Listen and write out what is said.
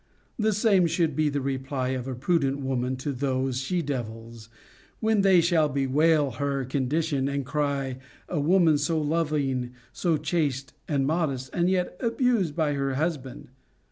The same should be the reply of a prudent woman to those she devils, when they bewail her condition, and cry, A woman so loving, so chaste and modest, and yet abused by her husband